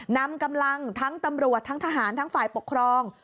นำกำลังทั้งตำรวจทั้งทหารทั้งฝ่ายปกครอง